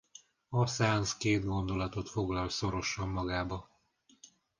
A szeánsz két gondolatot foglal szorosan magába.